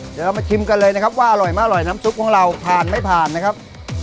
เดี๋ยวเรามาชิมกันเลยนะครับว่าอร่อยมากอร่อยน้ำซุปของเราผ่านไม่ผ่านนะครับ